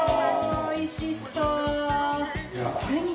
おいしそう！